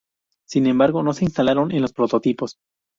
Sin embargo, no se instalaron en los prototipos.